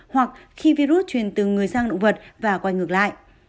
hoặc khi virus truyền từ người sang động vật và quay ngược lại